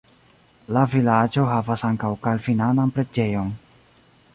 La vilaĝo havas ankaŭ kalvinanan preĝejon.